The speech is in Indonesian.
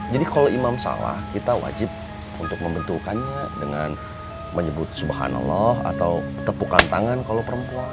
jadi kalau imam salah kita wajib untuk membentukannya dengan menyebut subhanallah atau tepukan tangan kalau perempuan